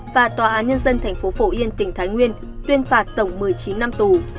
và tòa án nhân dân thành phố phổ yên tỉnh thái nguyên tuyên phạt tổng một mươi chín năm tù